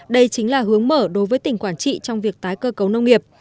đây chính là hướng mở đối với tỉnh quảng trị trong việc tái cơ cấu nông nghiệp